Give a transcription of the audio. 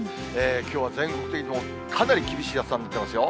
きょうは全国的にもかなり厳しい暑さになっていますよ。